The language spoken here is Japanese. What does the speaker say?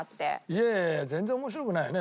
いやいやいや全然面白くないよね